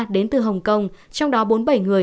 đến từ hồng kông trong đó bốn mươi bảy người